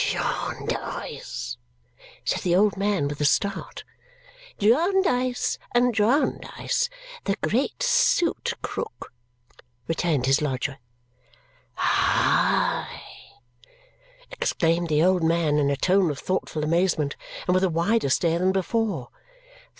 "Jarndyce!" said the old man with a start. "Jarndyce and Jarndyce. The great suit, Krook," returned his lodger. "Hi!" exclaimed the old man in a tone of thoughtful amazement and with a wider stare than before.